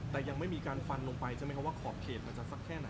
แต่ยังไม่มีการฟันลงไปใช่ไหมครับว่าขอบเขตมันจะสักแค่ไหน